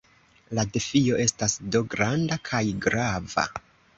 La defio estas do granda kaj grava.